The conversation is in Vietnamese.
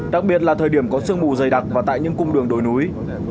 đặc biệt là thời điểm có sương mù dày đặc và tại những cung đường đồi núi